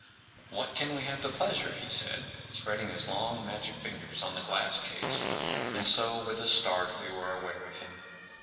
“ What can we have the pleasure ? ” he said, spreading his long, magic fingers on the glass case; and so with a start w’e were aware of him.